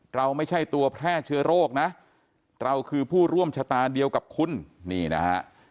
เราไม่ใช่ตัวแพร่เชื้อโรคนะเราคือผู้ร่วมชะตาเดียวกับคุณนี่นะฮะ